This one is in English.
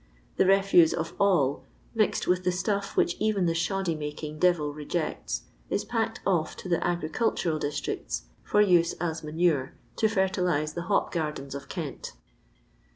The refuse of all, mixed with the stuff whieh even the shoddy making devil rejects, is packed off to the agricultural districts for use as manure, to fer tilise the hop gardens of Kent.